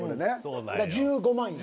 １５万よ。